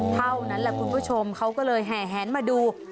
เท่านั้นแหละคุณผู้ชมเขาก็เลยแห่แหนมาดู